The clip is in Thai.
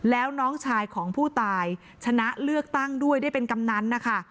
แล้วน้องชายของผู้ตายชนะเลือกตั้งด้วยได้เป็นกำนันนะคะ